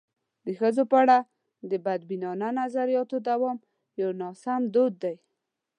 د ښځو په اړه د بدبینانه نظریاتو دوام یو ناسم دود دی.